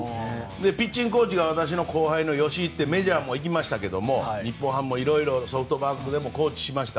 ピッチングコーチが私の後輩の吉井ってメジャーも行きましたけど日本でも色々ソフトバンクでもコーチしました。